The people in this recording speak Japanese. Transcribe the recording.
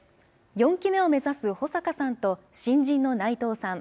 ４期目を目指す保坂さんと新人の内藤さん。